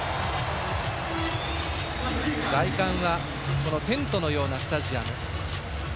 外観はテントのようなスタジアム。